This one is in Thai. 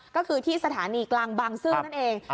ก็คือที่สถานีกลางบางซื่อนั่นเอง